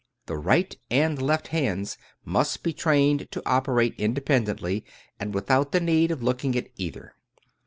The right and left hands must be trained to operate independently, and without the need of looking at either.